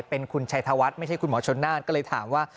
เป็นคุณชัยธวัฒน์ไม่ใช่คุณหมอชนน่านก็เลยถามว่า